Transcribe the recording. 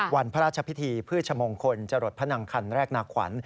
วันพระราชพิธีพืชมงคลจรดพระนังคันแรกนาขวัญ